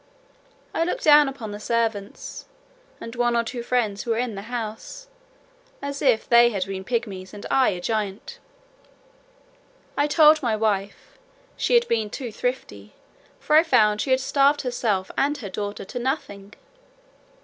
I looked down upon the servants, and one or two friends who were in the house, as if they had been pigmies and I a giant. I told my wife, "she had been too thrifty, for I found she had starved herself and her daughter to nothing."